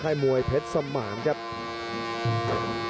พยายามจะไถ่หน้านี่ครับการต้องเตือนเลยครับ